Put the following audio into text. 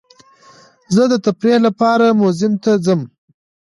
زه د تفریح لپاره میوزیم ته ځم.